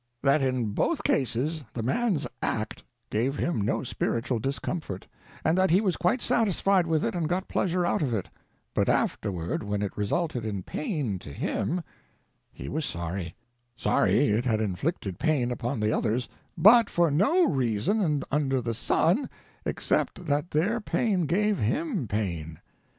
That in both cases the man's act gave him no spiritual discomfort, and that he was quite satisfied with it and got pleasure out of it. But afterward when it resulted in pain to him, he was sorry. Sorry it had inflicted pain upon the others, but for no reason under the sun except that their pain gave him pain.